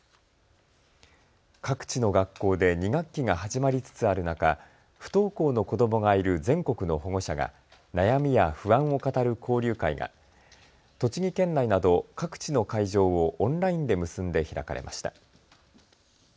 各地の学校で２学期が始まりつつある中、不登校の子どもがいる全国の保護者が悩みや不安を語る交流会が栃木県内など各地の会場をオンラインで結んで開かれました。